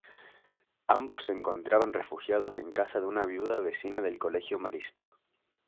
Ambos se encontraban refugiados en casa de una viuda vecina del colegio marista.